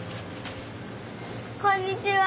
こんにちは。